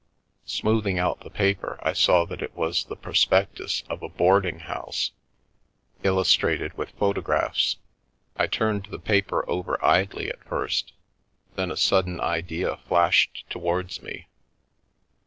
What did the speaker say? Smoothing out the paper, I saw that it was the prospectus of a boarding house, illustrated with photographs. I turned the paper over idly at first, then a sudden idea What I Found Under the Pillow flashed towards me.